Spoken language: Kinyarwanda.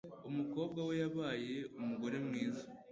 Umukobwa we yabaye umugore mwiza.